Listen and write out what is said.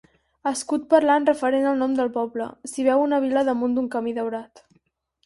Escut parlant referent al nom del poble: s'hi veu una vila damunt un camí daurat.